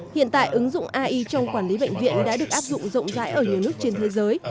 hiện tại ứng dụng ai trong quản lý bệnh viện đã được áp dụng rộng rãi ở nhiều nước trên thế giới